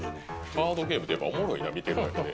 カードゲームってやっぱおもろいな見てるだけで。